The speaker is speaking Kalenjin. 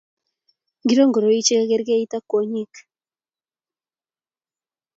Ngoroik ingicho chekekerkeite kwonyik?